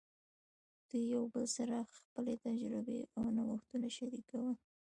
دوی یو بل سره خپلې تجربې او نوښتونه شریکول.